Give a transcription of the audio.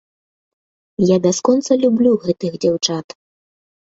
Я бясконца люблю гэтых дзяўчат.